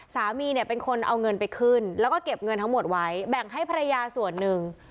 สามีเนี่ยเป็นคนเอาเงินไปขึ้นแล้วก็เก็บเงินทั้งหมดไว้แบ่งให้ภรรยาส่วนหนึ่ง